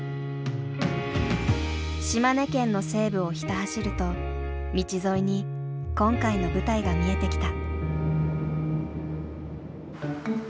島根県の西部をひた走ると道沿いに今回の舞台が見えてきた。